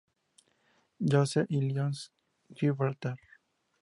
Joseph's y Lions Gibraltar.